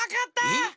えっ？